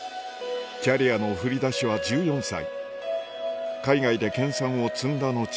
キャリアの振り出しは１４歳海外で研さんを積んだ後